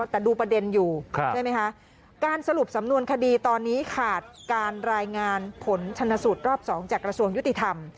แต่ดูประเด็นอยู่ใช่ไหมคะการสรุปสำนวนคดีตอนนี้ขาดการรายงานผลชนสูตรรอบ๒จากกระทรวงยุติธรรม